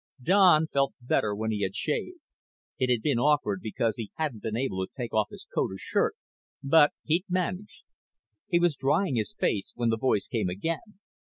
Don felt better when he had shaved. It had been awkward because he hadn't been able to take off his coat or shirt, but he'd managed. He was drying his face when the voice came again.